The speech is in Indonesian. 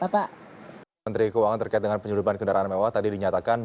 pak menteri keuangan terkait dengan penyeludupan kendaraan mewah tadi dinyatakan